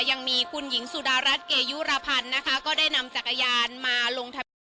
ยังมีคุณหญิงสูดารัชเกยุรพรรณนะคะก็ได้นำจักรยานมาต้นที่หนึ่ง